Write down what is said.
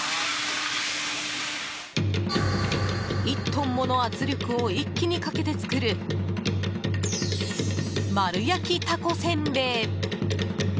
１トンもの圧力を一気にかけて作る丸焼きたこせんべい。